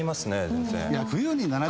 全然。